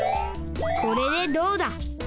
これでどうだ。